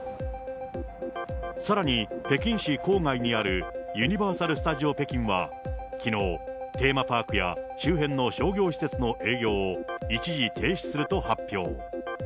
さらに北京市郊外にあるユニバーサル・スタジオ・北京は、きのう、テーマパークや周辺の商業施設の営業を一時停止すると発表。